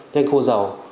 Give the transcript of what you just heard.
nhanh khô dầu